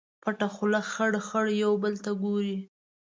پټه خوله خړ، خړ یو بل ته ګوري